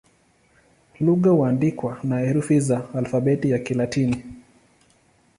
Lugha huandikwa na herufi za Alfabeti ya Kilatini.